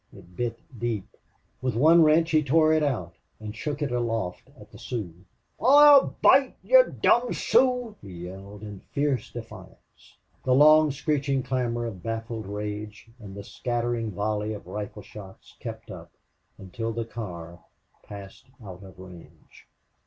It bit deep. With one wrench he tore it out and shook it aloft at the Sioux. "Oh bate yez dom' Sooz!" he yelled, in fierce defiance. The long screeching clamor of baffled rage and the scattering volley of rifle shots kept up until the car passed out of range.